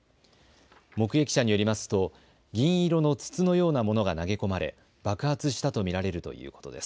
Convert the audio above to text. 目撃者によりますと銀色の筒のようなものが投げ込まれ爆発したと見られるということです。